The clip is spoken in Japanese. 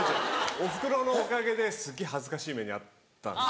お袋のおかげですげぇ恥ずかしい目に遭ったんです。